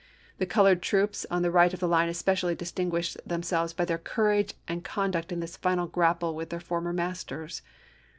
The colored troops on the right of the line especially distinguished them selves by their courage and conduct in this final grapple with their former masters.